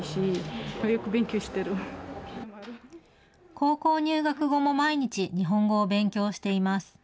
高校入学後も毎日、日本語を勉強しています。